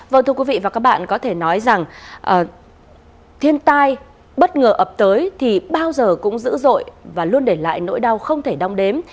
vâng thưa quý vị và các bạn có thể nói rằng thiên tai bất ngờ ập tới thì bao giờ cũng dữ dội và luôn để lại nỗi đau không thể đong đếm